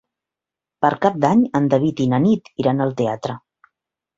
Per Cap d'Any en David i na Nit iran al teatre.